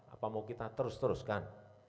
apa mau kita terus teruskan